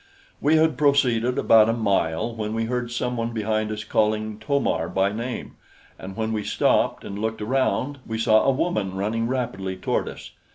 We had proceeded about a mile when we heard some one behind us calling To mar by name, and when we stopped and looked around, we saw a woman running rapidly toward us.